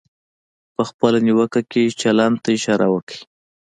په خپله نیوکه کې چلند ته اشاره وکړئ.